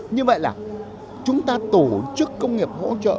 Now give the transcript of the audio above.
như vậy là chúng ta tổ chức công nghiệp hỗ trợ